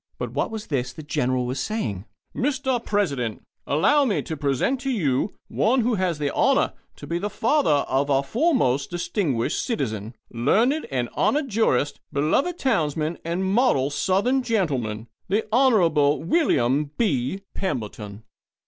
But what was this the General was saying? "Mr. President, allow me to present to you one who has the honour to be the father of our foremost, distinguished citizen, learned and honoured jurist, beloved townsman, and model Southern gentleman the Honourable William B. Pemberton."